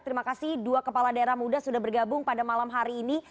terima kasih dua kepala daerah muda sudah bergabung pada malam hari ini